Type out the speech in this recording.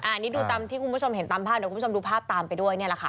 อันนี้ดูตามที่คุณผู้ชมเห็นตามภาพเดี๋ยวคุณผู้ชมดูภาพตามไปด้วยนี่แหละค่ะ